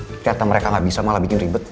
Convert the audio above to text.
ternyata mereka nggak bisa malah bikin ribet